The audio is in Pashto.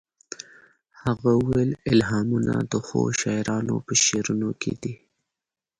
هغه وویل الهامونه د ښو شاعرانو په شعرونو کې دي